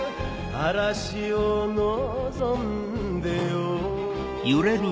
嵐をのぞんでよ